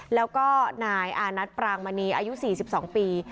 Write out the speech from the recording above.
แล้วก็นายอานัทปรางมณีอายุ๔๒ปี